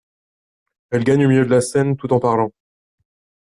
Elle gagne le milieu de la scène tout en parlant.